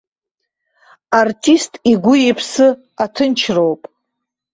Артист игәы-иԥсы аҭынчроуп.